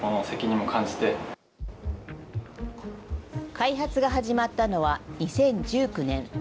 開発が始まったのは２０１９年。